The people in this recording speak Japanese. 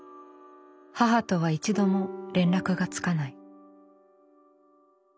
母とは一度も連絡がつかない。